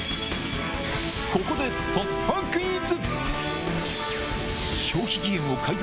ここで突破クイズ！